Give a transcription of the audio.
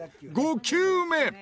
５球目。